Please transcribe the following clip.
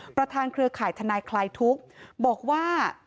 เครือข่ายทนายคลายทุกข์บอกว่า